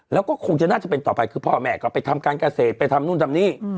แล้วก็คงจะน่าจะเป็นต่อไปคือพ่อแม่ก็ไปทำการเกษตรไปทำนู่นทำนี่